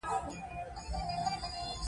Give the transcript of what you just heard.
ژوند د تجربو مجموعه ده.